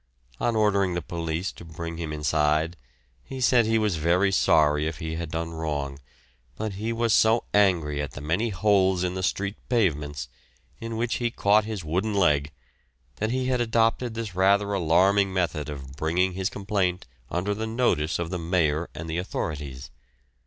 On ordering the police to bring him inside, he said he was very sorry if he had done wrong, but he was so angry at the many holes in the street pavements, in which he caught his wooden leg, that he had adopted this rather alarming method of bringing his complaint under the notice of the Mayor and the authorities.